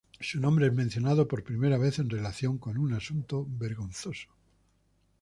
Su nombre es mencionado por primera vez en relación con un asunto vergonzoso.